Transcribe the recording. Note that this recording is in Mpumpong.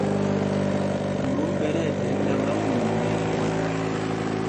Ɓotom ɓɛ tí ɛɗɛ ndáŋá won nɛ ikwand.